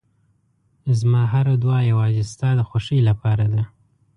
زما هره دعا یوازې ستا د خوښۍ لپاره ده.